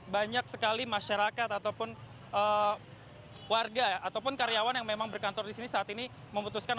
banyak sekali masyarakat ataupun warga ataupun karyawan yang memang berkantor di sini saat ini memutuskan